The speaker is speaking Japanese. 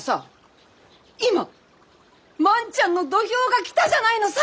今万ちゃんの土俵が来たじゃないのさ！